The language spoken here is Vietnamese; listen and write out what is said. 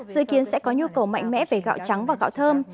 dự kiến sẽ có nhu cầu mạnh mẽ về gạo trắng và gạo thơm